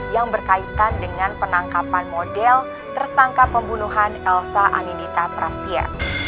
yang berkaitan dengan penangkapan model tertangka pembunuhan elsa aminita prastija